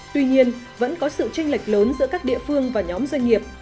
tuy nhiên vẫn có sự tranh lệch lớn giữa các địa phương và nhóm doanh nghiệp